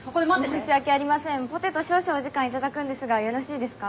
・申し訳ありませんポテト少々お時間いただくんですがよろしいですか？